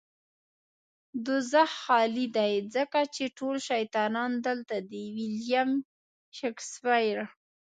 دوزخ خالی دی ځکه چې ټول شيطانان دلته دي. ويلييم شکسپير